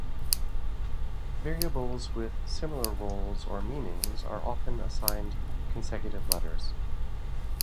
Variables with similar roles or meanings are often assigned consecutive letters.